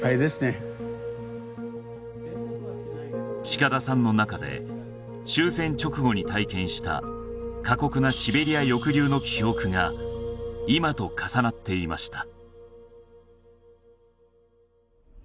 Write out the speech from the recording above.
近田さんのなかで終戦直後に体験した過酷なシベリア抑留の記憶が今と重なっていました